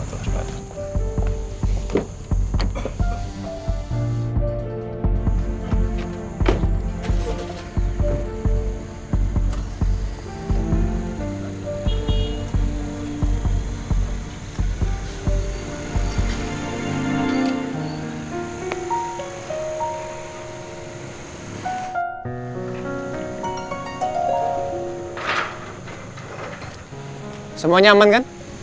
aman pak aman pak bos